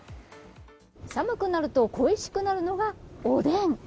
寒くなると恋しくなるのがおでん。